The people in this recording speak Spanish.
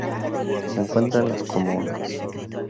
Se encuentra en las Comoras.